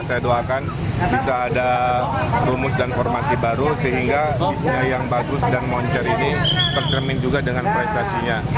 saya doakan bisa ada rumus dan formasi baru sehingga yang bagus dan moncer ini tercermin juga dengan prestasinya